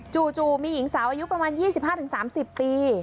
จู่มีหญิงสาวอายุประมาณ๒๕๓๐ปี